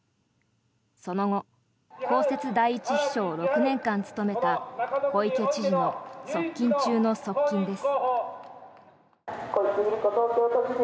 その後、公設第１秘書を６年間務めた小池知事の側近中の側近です。